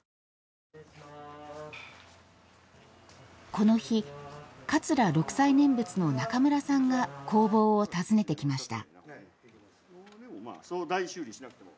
この日、桂六斎念仏の中村さんが工房を訪ねてきました。